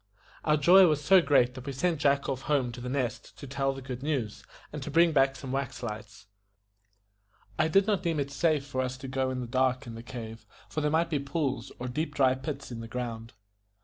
Our joy was so great that we sent Jack off home to The Nest to tell the good news, and to bring back some wax lights. I did not deem it safe for us to go in the cave in the dark, for there might be pools or deep dry pits in the ground.